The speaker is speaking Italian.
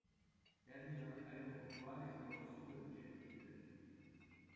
Terminal aeroportuale si trova a sud dal centro cittadino.